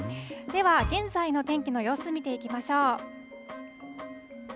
では現在の天気の様子見ていきましょう。